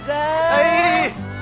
はい！